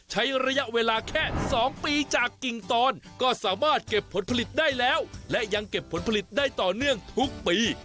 ใช้ระยะเวลาแค่๒ปีจากกิ่งตอนก็สามารถเก็บผลผลิตได้แล้วและยังเก็บผลผลิตได้ต่อเนื่องทุกปี